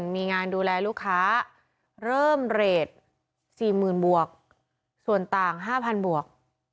มีงานดูแลลูกค้าเริ่มเรท๔๐๐๐บวกส่วนต่าง๕๐๐บวก